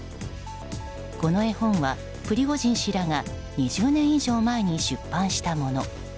この絵本はプリゴジン氏らが２０年以上前に出版したもの。